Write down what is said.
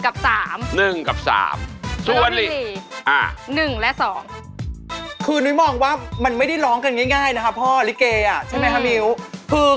เพราะฉะนั้นเที่ยวมาเขาก็ร้องดีกับทุกคนเลย